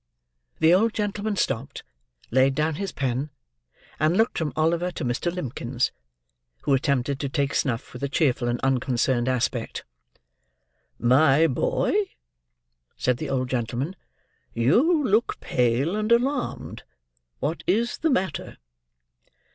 The old gentleman stopped, laid down his pen, and looked from Oliver to Mr. Limbkins; who attempted to take snuff with a cheerful and unconcerned aspect. "My boy!" said the old gentleman, "you look pale and alarmed. What is the matter?"